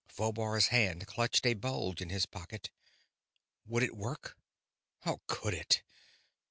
Phobar's hand clutched a bulge in his pocket. Would it work? How could it?